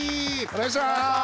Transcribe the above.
お願いします。